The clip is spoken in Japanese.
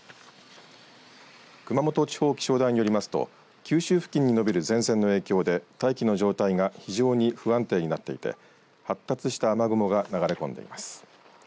熊本地方気象台によりますと九州付近に延びる前線の影響で大気の状態が非常に不安定になっていて発達した雨雲が流れ込んでいます。